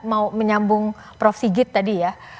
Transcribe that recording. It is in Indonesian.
mau menyambung prof sigit tadi ya